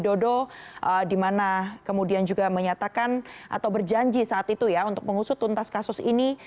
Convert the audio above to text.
bertemu dengan presiden jokowi dodo di mana kemudian juga menyatakan atau berjanji saat itu ya untuk mengusut tuntas kasus ini